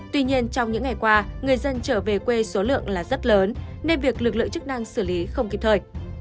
tuy nhiên trong những ngày qua người dân trở về quê số lượng là rất lớn nên việc lực lượng chức năng xử lý không kịp thời